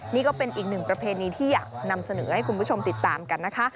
นี่ก็เป็นอีกหนึ่งประเพณีที่อยากนำเสนอให้คุณผู้ชมติดตามกันนะคะ